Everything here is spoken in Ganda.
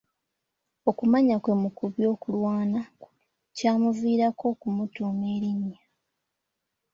Okumanya kwe mu by'okulwana kyamuviiramu okumutuuma erinnya.